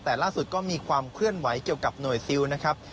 แต่ล่าสุดก็มีความเคลื่อนไหวเกี่ยวกับหน่วยซิลนะครับ